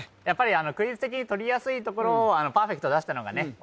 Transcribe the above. やっぱりクイズ的にとりやすいところをパーフェクト出したのがね